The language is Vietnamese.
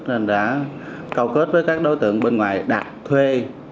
nên đã câu kết với các đối tượng bên ngoài đặt thuê